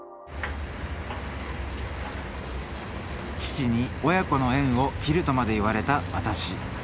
父に「親子の縁を切る」とまで言われた私。